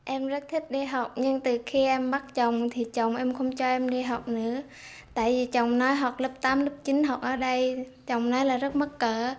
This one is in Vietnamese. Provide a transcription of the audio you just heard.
em rất thích đi học nhưng từ khi em bắt chồng thì chồng em không cho em đi học nữa tại vì chồng nơi học lớp tám lớp chín học ở đây chồng này là rất mất cỡ